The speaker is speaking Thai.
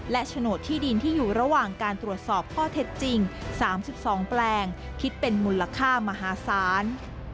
และโฉนดที่ดินที่อยู่ระหว่างการตรวจสอบพ่อเทศจริงสามสิบสองแปลงคิดเป็นมูลค่ามหาศาล